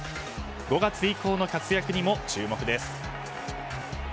５月以降の活躍にも注目です。